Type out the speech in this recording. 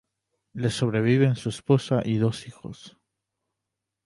Le sobreviven su esposa y dos hijos.